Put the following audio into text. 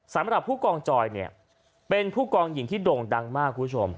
สำหรับผู้กองจอยเนี่ยเป็นผู้กองหญิงที่โด่งดังมากคุณผู้ชม